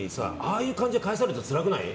あいう感じで返されたらつらくない？